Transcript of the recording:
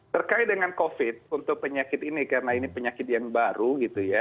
terkait dengan covid untuk penyakit ini karena ini penyakit yang baru gitu ya